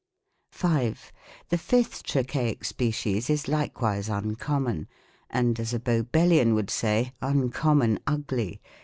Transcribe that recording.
* 5. The fifth Trochaic species is likewise uncommon ; and, as a Bowbellian would say, " uncommon" ugly.